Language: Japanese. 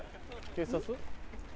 警察？